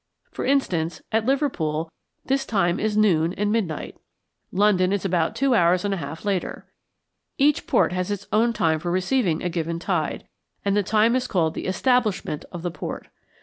For instance, at Liverpool this time is noon and midnight. London is about two hours and a half later. Each port has its own time for receiving a given tide, and the time is called the "establishment" of the port.